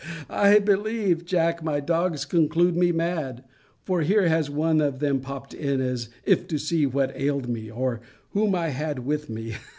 I believe, Jack, my dogs conclude me mad: for here has one of them popt in, as if to see what ailed me, or whom I had with me.